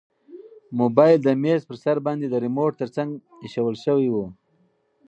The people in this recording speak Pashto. موبایل د میز په سر باندې د ریموټ تر څنګ ایښودل شوی و.